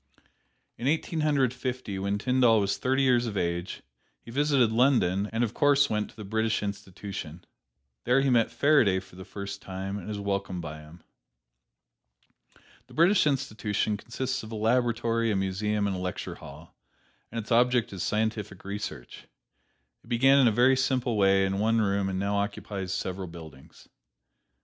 In Eighteen Hundred Fifty, when Tyndall was thirty years of age, he visited London, and of course went to the British Institution. There he met Faraday for the first time and was welcomed by him. The British Institution consists of a laboratory, a museum and a lecture hall, and its object is scientific research. It began in a very simple way in one room and now occupies several buildings.